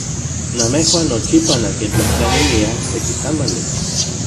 Namejuan nochipa nankintlajtlaniliaj seki tamali.